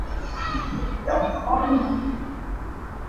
Bawlung a ril nain uico nih a dawi lo.